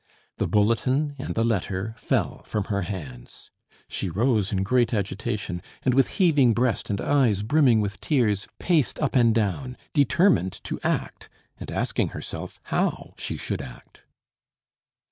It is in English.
The bulletin and the letter fell from her hands. She rose in great agitation, and, with heaving breast and eyes brimming with tears, paced up and down, determined to act, and asking herself how she should act.